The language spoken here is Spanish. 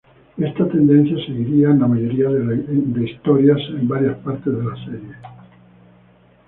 Esta tendencia seguiría en la mayoría de historias en varias partes de la serie.